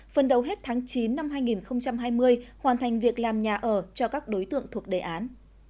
phần đầu hết tháng chín năm hai nghìn hai mươi hoàn thành việc làm nhà ở cho các đối tượng thuộc đề án